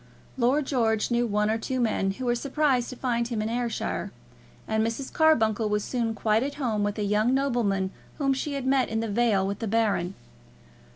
Lord George knew one or two men, who were surprised to find him in Ayrshire, and Mrs. Carbuncle was soon quite at home with a young nobleman whom she had met in the vale with the Baron.